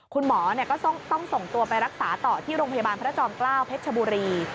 คุณหมอก็ต้องส่งตัวไปรักษาต่อที่โรงพยาบาลพระจอมเกล้าเพชรชบุรี